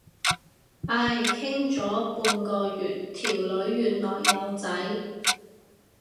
唉，傾咗半個月，條女原來有仔。